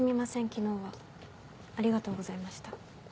昨日はありがとうございました。